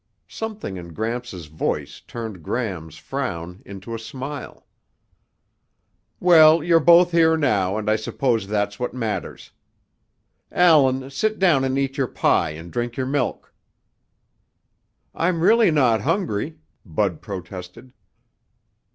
Something in Gramps' voice turned Gram's frown into a smile. "Well, you're both here now and I suppose that's what matters. Allan, sit down and eat your pie and drink your milk." "I'm really not hungry," Bud protested.